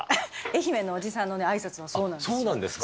愛媛のおじさんのあいさつもそうなんです。